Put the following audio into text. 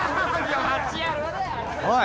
おい！